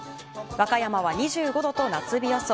和歌山は２５度と夏日予想。